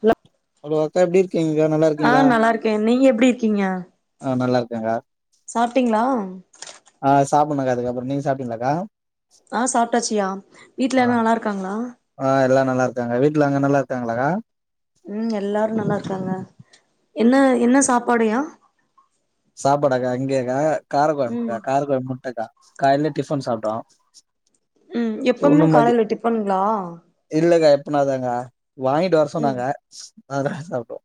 ஹல hello அக்கா எப்டி இருக் அ நல்லாருக்கே நீங்க எப் டி இருக்கீங்க ஆ நல்லாருக்கக்கா சாப்ட்டீங்களா சாப்புட்ணுக்கா இதுக்கப்பற நீங்க சாப்ட்டீங்களாக்கா ஆ சாப்ட்டாச்சியா வீட்ல எல்லா நல்லாருக்காங்களா? நல்லார்க்காங்க வீட்ல அங்க நல்லார்க்காங்களாக்கா ம் எல்லாரு நல்லார்க்காங்க என்ன என்ன சாப்பாடுயா சாப்பாடாகா இங்கியாகா கார கொழம்புகா ம் கார கொழம் முட்டக்கா கால்லே டிஃபன் சாப்ட்டோ ம் ஒன்னு எப்பமே மதி காலைல டிப்ஃபனுங்ளா ப்பனாதாங்கா வாய்ங்கிட்டு வர சொன்னாங்க அதா சாப்டுவோ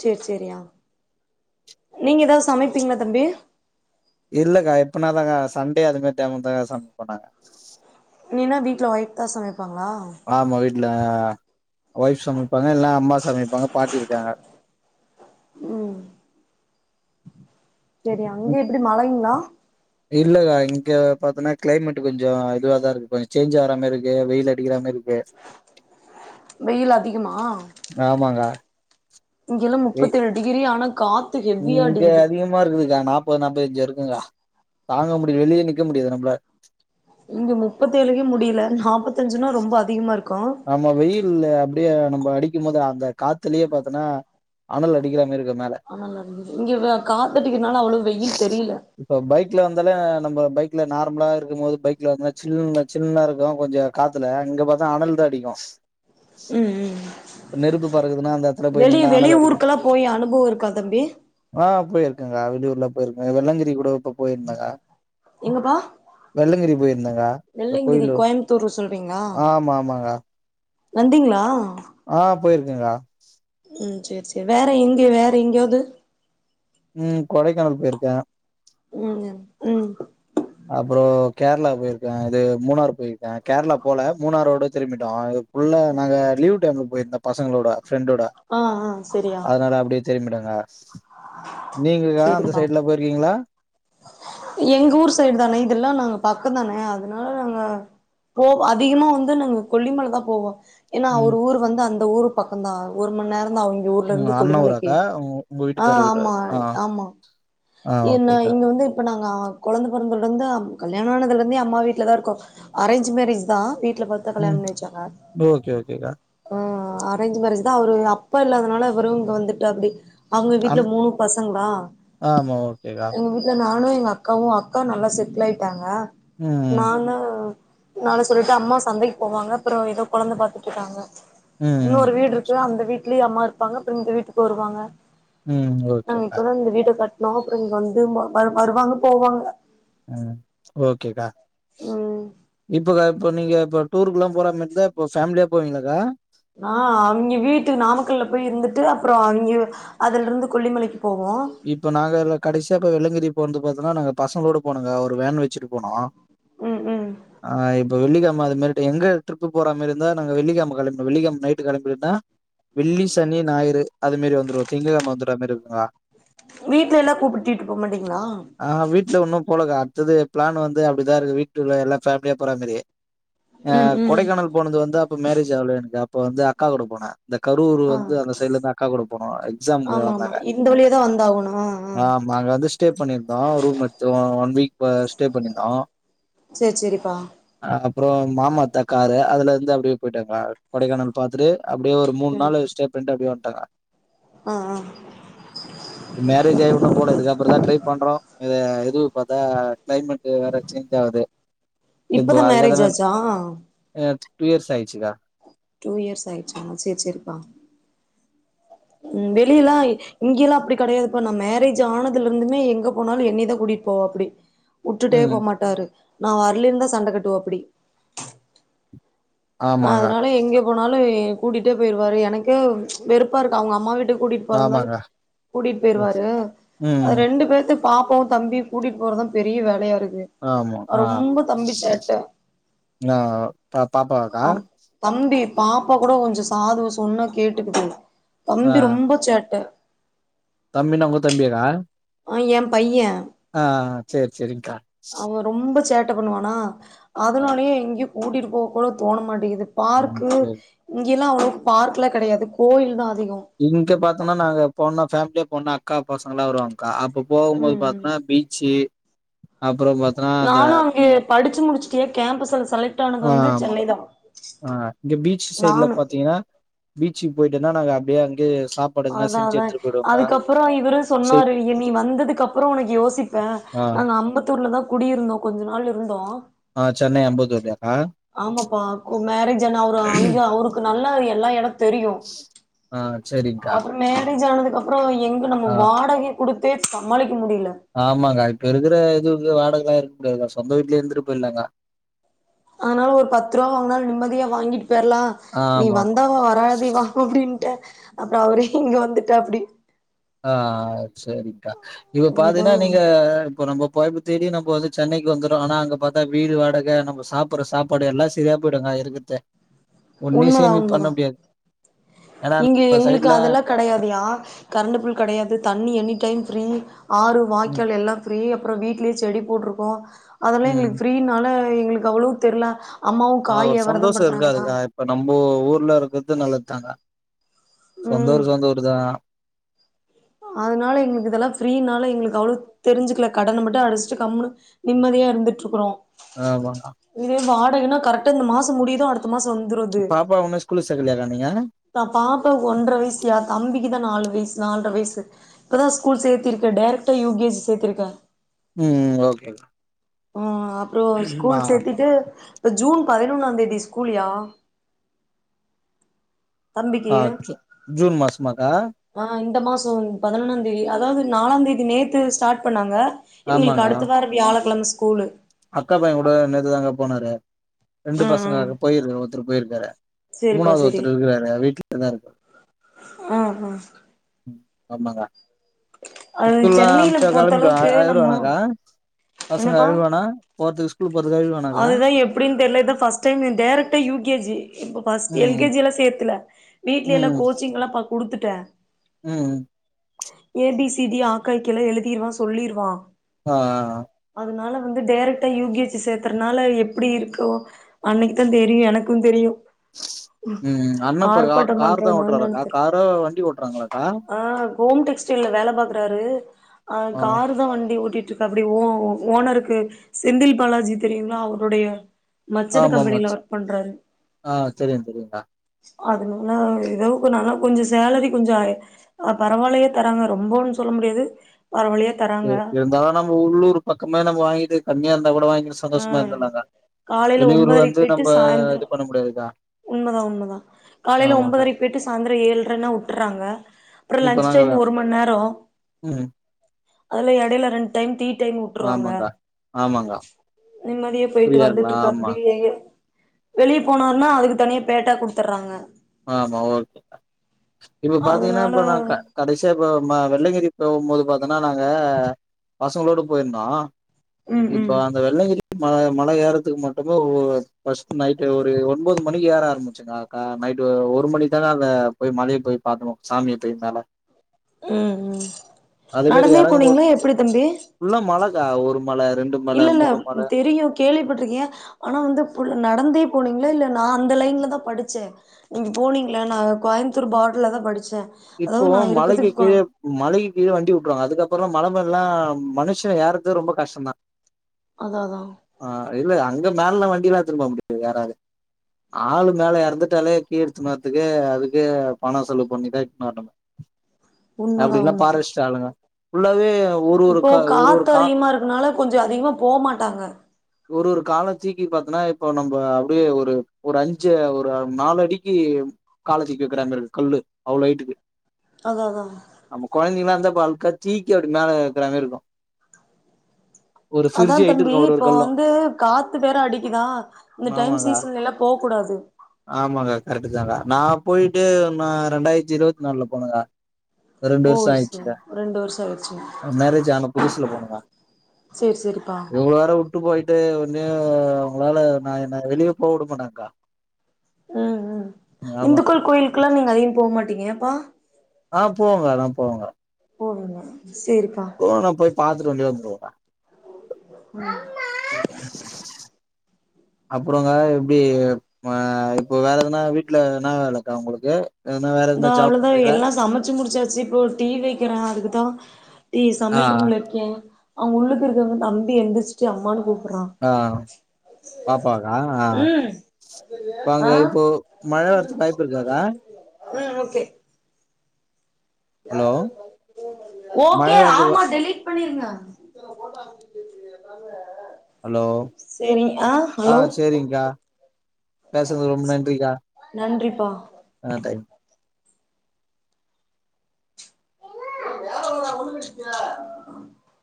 சேர் சேரி ஆ நீங்க எதாவ் சமைப்பீங்ளா தம்பி இல்லக்கா எப்பனாதாக்கா சண்டே அந்தமாரி டைமுதாக்கா சமைப்போ நாங்க இல்லீனா வீட்ல ஒய்ஃப்தா சமை பாங்ளா ல்ல ஒய்ஃப் சமைப்பாங்க இல்னா அம்மா சமைப்பாங்க பாட்டி இருக்காங்க ம் செரி அங்க எப்டி மழைங்ளா இல்லங்க இங்க பாத்தோனா க்ளைமேட் கொஞ்சோ இதுவாதா இருக்கு கொஞ்சோ சேஞ்ச் ஆற மாரி இருக்கு வெயில் அடிக்கிற மாரி இருக்கு வெயில் அதிகமா ஆமாங்கா இங்கெல்லா வெய் முப்பத்தேழு டிகிரி அனல் இங்க அதிகமா இருக்குதுகா நாப்பது நாப்பத்தஞ்சு இருக்குங்க தாங்க முடில வெளிய நிக்க முடியாது நம்ல இங்க முப்பத்தேழுக்கே முடியல நாப்பத் அஞ்சுன்னா ரொம்ப அதிகமாருக் ஆமா வெயில்ல யே நம்ம அடிக்கும் போது அந்த காத்துலியே பாத்தனா அனல் அடிக்கிற மாரிருக் ஆனலருந்துது இங்க வ காத்தடிக்கிறதுனால அவ்ளோ வெயில் தெரியல இப்ப பைக்ல வந்தாலே நம்ம பைக்ல நார்மலா இருக்கும் மோது பைக்ல வந்தினா சில்னு சில்னா இருக்கு கொஞ்சோ காத்துல இங்க பாத்தா அனல் தா அடிக்கு ம் ம் நெருப்பு பறக்குதுன்னா அந்த எடத்துல போய் வெளிய நின்னா வெளி அனல் அடிக்கு ஊருக்கெல்லா போய் அனுபவோ இருக்கா தம்பி ஆ பொய்ருக்கேங்கா வெளியூர்லா ஒரு மே வெள்ளங்கிரி கூட இப்ப போயிருந்தங்க எங்கப்பா வெள்ளங்கிரி போயிருந்தங்க அந்த வெள்ளங்கிரி கோயிலு கோயம்புத்தூர் ஆமாம்மா வந்திங்களா ஆ போயிருக்கேக்கா ம் செரி செரி வேற எங்க வேற எங்கயாவது ம் கொடைக்கானல் போயிருக்கே ஒ ம் ம் அப்பறோ கேரளா போயிருக்கே அது மூணார் போயிருக் கே கேரளா போல மூணாரோட திரும்பிட்டோ ஆ உள்ள நாங்க லீவ் டைமுல போயிருந்த பசங்களோட ஃப்ரெண்டோட ஆ ஆ செரியா அதனால அப்டியே திரும்பிட்டோக்கா நீங்க கா அந்த செரிப்பா சைட்லா போயிருக்கீங்களா எங்க ஊர் சைடு தானே இதெல்லா நாங்க பக்க தானே அதனால நாங்க போவோ அதிகமா வந்து நாங்க கொல்லிமல தா போவோ. ஏன்னா ம் அவுரு ஊரு வந்து அந் த ஊரு பக்க தா ஒரு மண்நேர [unintelligible] ஒங்க ம் ஊர்லருந்து அண்ண கொல்லிமலைக்கி ஊராக்கா உங் உங்க ஆ வீட்டுக்காரு வீடா ஆமா ஆ ஆமா ஆ என்ன ஓகேக்கா வந்து இப்ப நாங்க கொழந்த பொறந்தலருந்து கல்யாண ஆனதுலருந்தே அம்மா வீட்ல தா இருக்கோ அரேஞ்ச் மேரேஜ் தா வீட் வீட்ல பாத்து தா கல்யாண ம் பண்ணி வச்சாங்க ஓகே ஓகேக்கா ஆ அரேஞ்ச் மேரேஜ் தா அவரு அப்பா இல்லாதனால இவரு இங்க வந்துட்டாப்டி அவங்க வீட்ல அண் மூணு பசங்களா ஆமா ஓகேக்கா வீட்ல நானு எங்க அக்காவு அக்கா நல்லா செட்டிலாயிட்டாங்க ம் நா தா வேல சொல்லிட்டு அம்மா சந்தைக்கு போவாங்க அப்றோ எதோ கொழந்த பாத்துட்டுருக்காங்க ம் ம் இன்னொரு வீடிருக்கு அந்த வீ லயும் அம்மா இருப்பாங்க அப்றோ இந்த வீட்டுக்கு வருவாங்க ம் நாங்க ஓகேக்கா இப்ப தா இந்த வீட்ட கட் நா அப்றோ இங்க வந் திரும்ப வ வருவாங்க போவாங்க ம் ஓகே கா ம் இப்ப க இப்ப நீங்க இப்ப டூருக்கல்லா போற மாரி இருந்தா இப்ப ஃபேமிலியா போவீங்களாக்கா ஆ அவிங்க வீட்டு நாமக்கல்ல போய் இருந்துட்டு அப்றோ அங்க அதுலருந்து கொல்லிமலைக்கி இப்ப நாங்க எல்லா கடசியா கா வெள்ளங்கிரி இப்ப வந்து பாத்தீன்னா நாங்க பசங்களோட போனங்கா ஒரு வேன் வச்சுட்டு போனோ ம் ம் ஆ இப்போ வெள்ளிக்கிழ ழம அது மாரி எங்க ட்ரிப் போற மாரி இருந்தா நாங்க வெள்ளிகெழம கெளம்பி வெள்ளிக்கெழம நைட்டு கெளம்பி போயிர்ந்தா வெள்ளி சனி ஞாயிறு அது மாரி வந்துருவோ திங்கெழம வந்துற மாரி இருக்கு கா வீட்ல எல்லா கூப்பிடிட்டு போ மாட்டீங்களா ஆ வீட்ல உன்னும் போலங்க. அடுத்தது பிளான் வந்து அப்டி தா இருக்கு வீட்டு எல்லா ஃபேமிலியா போற மாரி ஆ ம் ம் கொடைக்கானல் போனது வந்து அப்ப மேரேஜ் ஆவல எனக்கு அப் அப்ப வந்து அக்கா கூட போனே இந்த கரூர் ஆ வந்து அந்த சைட்லதா அக்கா கூட போனோ எக்ஸாம்கு ஆமா ஆமா வந்தாங்க இந்த வழியாதா வந்தாகணு ஆ ஆ ஆம்மா அங்க வந்து ஸ்டே பண்ணிருந்தோ ரூம் எத்து ஒன் வீக் இப்ப ஸ்டே பண்ணிந்தோ சேர் சேரிப்பா அப்றோ மாமா அத்த காரு அதுல இருந்து அப்டே போய்ட்டேகா கொடைக்கானல் பாத்துட்டு அப்டியே ஒரு மூண் நாளு ஸ்டே பண்டு அப்டியே வண் டகா அ அ மேரேஜ் ஆயி உண்ணு போல இதுக்கப்றோ தா ட்ரை பண்றோ இது எது பாத்தா கிளைமேட் வேற சேஞ்ச் ஆவுது இப்போ இப்பதா மேரேஜ் அங்கதான ஆச்சா அ டூ இயர்ஸ் ஆயிச்சுக்கா டூ இயர்ஸ் ஆயிற்ச்சா சர் சரிப்பா ம் வெளியலா இங்கேல்லா அப்டி கெடையாதுப்பா நா மேரேஜ் ஆனதுலருந்துமே எங்க போனாலு என்னையதா கூட்டிட் போவாப்டி வுட்டுட்டே ம் போமாட்டாரு நா வரலேன் தா சண்ட கட்டுவாப்டி ஆமாங்க அதுனால எங்கே போனாலுவே கூட்டிட்டே போய்ருவாரு எனக்கே ச் வெறுப்பா இருக்கு அவுங்க அம்மா வீட்டுக் கூட்டிட்டு போறர்ந்தாலு ஆமாங்க கூட்டிட்டு போய்ருவாரு அது ம் ரெண்டு பேத்து பாப்பாவு தம்பியு கூட்டிட்டு போறதுதா பெரிய வேலயா இருக் ஆமா ஆ ஆ பாப்பா கா ஆம் தம்பி பாப்பா கூடோ கொஞ்சோ சாது சொன்னா கேட்டுகுது ஆ தம்பி ரொம்ப சேட்ட தம்பினா உங்க தம்பியக்கா ஆ என் பைய ஆ சரி சரி்ங்கா ட பண்ணுவானா அதனாலே எங்யும் கூட்டிட்டு போ கூட தோண மாட்டிகிது ம் பார்க்கு சேரி ல்லா அவ்ளோ பார்க்லா கெடையாது கோயில் தா அதிகோ இங்க பாத்தோம்ன்னா நாங்க போனா ஃபே மிலி போனா அக்கா பசங்களா வருவாங்க்கா அப்ப போகும்போது ம் பாத்தனா பீச்சு அப் நானும் அங்க படு டிச்சு முடிச்சுிட்டே கேம்பஸ்ல்ல ஆ ஆமா ஆ இங்க பீச் சைட்ல நானு பாத்தீங்கன்னா பீச் போயிட்டுேன்னா நாங்க அப்படியே அங்கே அதான் அதான் அதுக்கப்புறம் இவரும் செய் சொன்னாரு நீ வந்ததுக்கு அப்புறம் உனக்கு யோசிப்பே ஆ நாங்க அம்பத்தூர்லதான் குடியிருந்தோம் கொஞ்சம் நாள் இருந்தோம் ஆ சென்னை அம்பத்தூர்லயாக்கா ஆமாப்பா மேரேஜ் ஆனா அவரு அங்க அவருக்கு நல்ல எல்லா இடத் ஆ சரி அப்புற மேரேஜ் ஜானது அப்புறம் எங்க நம்ம வாடகை கொடுத்தே சமாளிக் ஆமாக்க இப்ப இருக்கிற இது இருக்க முடியாது க்கா சொந்த வீட்ல இருந்துட்டு போயிடலாக்கா அதனால ஒரு பத்து ரூபா வாங்கனாலும் நிம்மதியா வாங்கிட்டு பேர்லாம் ஆ நீ ஆமா ஆமா வந்தாவா வராதிவ அப்படின்ட்டு அப்புற அவரே இங்க வந்துட்டாப்டி ஆ சரி்கா இப்ப ஏதோ பாத்தீங்கன்னா நீங்க இப்ப ரொம்ப போயப்ப தேடி நம்ம வந்து சென்னைக்கு வந்துறோ ஆனா அங்க ப பாத் தா வீடு வாடகை நம்ம சாப்பற சாப்பாடு எல்லா சரியா போயிடுங்க இருக்குதே ஒன்னே உண்மதா சேமிப் பண்ண உண்மதா முடியாது ஏன்னா இங்க நம்ம எங்களுக்கு சைட்ல அதெல்லா கெடையாதுயா கரண்ட் பில் கெடையாது தண்ணி எனி டைம் ஃப்ரீ ஆறு ம் வாய்க்கால் எல்லா ஃப்ரீய அப்பற வீட்லயே செடி போட்டிருக்கோ அதெல்லா ம் எங்களுக்கு ஃரீனால எங்களுக்கு அவ்வளவ் தெரில ஆஹ ஒரு சந்தோஷ இருக்காதுக்கா இப்ப நம்ம ஊர்ல இருக்கறது நல்ல தாங்கா ம் சொந்தஊர் சொந்த ஊர் தா அதனால எங்களுக்கு இதெல்லா ஃப்ரீனால எங்களுக்கு அவ்வளவ் தெரிஞ்சுக்கல கடன மட்டு அடிச்சிட்டு கம்முனு நிம்மதியா இருந்துட்ருக்குறோ ஆமா உனக்கென்ன கரெக்ட்டா இந்த மாச முடியுதோ அடுத்த அடுத்தமாச வந்துருது பாப்பா உன்னு ஸ்கூலுக்கு சேக்கலையாக்கா நீங்க நா பாப்ப ஒன்ற வயசியா தம்பிக்கு நாலு வயஸ் நால்ற வயஸ் இப்பதா ஸ்கூல் சேத்திருக்க டேரக்டா யூ கே ஜி சேத்திருக்க உம் ஓகே ஆ அப்புற ஸ்கூல் சேத்திட்டு இப்ப ஜூன் பதினொன்னாந் தேதி ஸ்கூல்யா தம்பிக்கு ஆ சு ஜுன் மாசமாக்கா ஆ இந்த மாச பதினொன்னாந்தேதி அதாவது நாலாந்தேதி நேத்து ஸ்டார்ட் பண்ணாங்க இவளுக்கு அடுத்த வார வியாழக்கிழம ஸ் கூலு அக்காப்பைய கூட நேத்துதாங்க போனாரு ரெண்டு ம் ம் பசங்க பெரியரு ஒருத்தரு போயிருக்கற சேரிப்பா மூணாவது சேரி ஒருத்தரு இருக்கராரு வீட்லதா இருக் ஆ ஆ ஆமாங்க அது ஸ்கூல்லா சென்னையில அமிச்ச கலம்பிரு பொறுத்தளவுக்கு நம்மோ எருவானாக்க பசங்க என்னப்பா அறிவானா பாத்து யூஸ் அதுதா எப்டினு தெரில இதா ஃபர்ஸ்ட் டைம் டேரக்டா யூகேஜி இப் ஃபர்ஸ்ட் எல் ம் கே ஜி லா சேத்துல வீட்ல எல்லா கோச்சிங்லா பக் குடுத்துட்டன் ம் ம் ஏ பி சி டி ஆ கா இக் கி லா எழுதிருவா சொல்லிருவா ஆ அ அதுநால வந்து டேரக்ட யூ கே ஜி சேத் அனால எப்டி இருக்கோ அன்னிக்கு தா தெரியு எனக்கு தெரியு ம் அண்ண இப்ப ஆர்ப்பாட்ட கார் தா பண்றான என்னனு ஓட்டுறாராக்கா தெர்ல காரோ வண்டி ஓட்டுறாங்களாக்கா ஆ ஹோம்டெக்ஷ்டைல வேல பாக்குறாரு ஆ காரு தா வண்டி ஓட்டிட் [unintelligible] அப்டி ஓ ஓனருக்கு செந்தில் பாலாஜி தெரியுங்ளா அவருடைய மச்சன ஆமா ஆமா கம்பெனில ச் ஒர்க் பண்றாரு ஆ தெரியு தெரியுக்கா அதனால ஏதோ நாலா கொஞ்ச சேலரி கொஞ்ச பரவாயில்லயே தராங்க ரொம்பன்னு சொல்ல முடியாது பரவால்லயா தராங்க இருந்தாலு நம்ம உள்ளூர் பக்கமே நம்ம வாங்கிட்டு கம்மியா கூட வாங்கிட்டு ஆ சந்தோஷமா இருந்துலாங்க காலையில வெளியூர் ஒன்பதரைக் வந்து போயிட்டு நம்ம சாய்ந்துரோ இது பண்ண முடியாதுக்கா உண்மதா உண்மதா காலையில ஆமாக்கா ஒன்பதரைக் போய்ட்டு சாந்தரோ ஏழ்ற னா வுட்டுறாங்க அப்றோ இப்ப லஞ்ச் நாங்க டைம் ஒரு மண்நேரோ ம் அதுல எடைல ரெண்டு டைம் டீ உட்டுருவாங்க ஆமாங் கா ஆமாங் கா நிம்மதியா போயிட்டு வந்துட்டுருக்க அப்டியே வெளிய போனாருனா அதுக்கு தனியா பேட்டா குடுத்தர்றாங்க ஆமா ஓகே கா இப்ப பாத்தீங்கனா அதனால இப்ப நா க கடைசியா இப்ப ம வெள்ளங்கிரி போவும்போது பாத்தோன்னா நாங்க பசங்களோடு போயிருந்தோ ம் இப்ப ம் அந்த வெள்ளங்கிரி மல மல ஏறத்துக்கு மட்டுமே [unintelligible] ஃபஸ்ட் நைட் ஒரு ஒன்பது மணி ஏற ஆரம்பிச்சுங் க கா நைட் ஒரு மணி தானே அங்க போய் மலய போய் பாத்தோ சாமிய போய் மேல ம் ம் அதே மாரி நடந்தே போனீங்ளா எப்டி தம்பி இல்ல ஒரு மல ரெண்டு இல்ல மல இல்ல மூணு மல தெரியூ கேள்விப்பட்ருக்கேன் ஆனா வந்து நடந்தே போனீங்ளா இல்ல நா அந்த லைன்ல தா படிச்சேன் நீங்க போனீங்களா நா கோயமுத்தூர் பார்டுல தா படி இப்போ மலைக்கி கீழ மலைக்கி கீழ வண்டி வுட்டுருவாங்க அதுக்கப்புறோ மல மேல லா மனுஷன் எர்றது ரொம்ப கஷ்டம்தா அதா அதா ஆ இல்ல அங்க மேல்லா வண்டிலா எடுத்துன் போ முடியாது ஏறாது ஆளு மேல எறந்துட்டாலே கீழத்துனு வர்துக்கே அதுக்கே பணொ செலவு பண்ணிதா எட் [unintelligible] உண்மதா உண்மதா ஃபுல்லாவே ஒரு ஒரு இப்போ கா ஒரு ஒரு காத்து கா அதிகமா இருக்கனால கொஞ்சொ அதிகமா போமாட்டாங்க ஒரு ஒரு காலத்தூக்கி பாத்தோனா இப்போ நம்ப அப்டியே ஒரு ஒரு அஞ்சு ஒரு நாலு அடிக்கி காலத் தூக்கி வெக்கிற மாரி இருக் கல்லு அவ்ளோ ஹைட்டு அதா அதா நம்ம கொழந்தைங்ளா இருந்தா பல்கா தீக்கி அப்டி மேல வெக்கிற மாரி இருக்கு ஒரு அதா ஃபிரிட்ஜ் ஹைட்டு தம்பி இருக்கு ஒரு ஒரு இப்போ கல்லு வந்து காத்து வேற அடிக்கிதா இந்த டைம் சீசன்லேலா போ கூடாது ஆமா கா கரெக்ட்டுதா கா நா போயிட்டு நா ரெண்டாயிரத்தி இருவத் நாலுல போன கா ரெண்டு ஓ வர்ஷோ சரி ஆயிட்ச்சிகா ரெண்டு வருஷோ ஆயிடுச்சு மேரேஜ் ஆன புதுசுல போன கா சேரி சேரிப்பா இவள வேற உட்டு போயிட்டு இனிமே உங்களால நா என்ன வெளியவே போ உடமாட்டாங் கா ம் ம் இந்துக்கள் கோயிலுக்குலா நீங்க அதிகம் போ மாட்டீங்க ஏப்பா ஆ போவோ கா நா போவோ கா போவீங்க சேரிப்பா போவ கா போய் பாத்துட்டு வெளிய வந்துருவோ கா [inaudible] அப்பறொங்கா எப்டி ஆ இப்போ வேற எதுனா வீட்ல என்னா வேலக்கா உங்களுக்கு எதுனா வேற தோ எதுனா ஜாப் அவ்ளோதா பண்றீங்களா எல்லா சமச்சு முடிச்சாச் ச்சி இப்போ டீ வெக்கிற அதுக்குதா டீ ஆ சமயல் ரூம்லருக்கே அவுங் உள்ளுக்குருக்கங்கத் தம்பி எந்திரிச்சிட்டு அம்மான் கூப் ஆ பாப்பாக்கா ம் இப்ப அங்க ஆ இப்போ மழ வர்றத்துக்கு வாய்ப்பு இருக்காக்கா ம் ஓகே ஹலோ மழ ஓகே வரதுக்கு ஆமா டெலிட் பண்ணிருங்க ஹலோ சேரிங் ஆ ஹலோ சேரிங்க்கா பேசன்துக் ரொம்ப நன்றிக்கா ப்பா ஆ டைம்